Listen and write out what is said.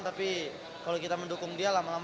tapi kalau kita menjudge ke dia ya dia makin down